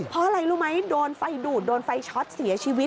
เพราะอะไรรู้ไหมโดนไฟดูดโดนไฟช็อตเสียชีวิต